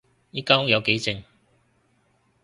依間屋有幾靜